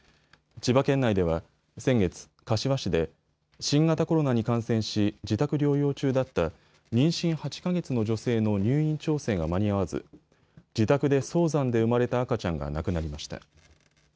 千葉県内では先月、柏市で新型コロナに感染し自宅療養中だった妊娠８か月の女性の入院調整が間に合わず住宅で早産で産まれた赤ちゃんが亡くなりました。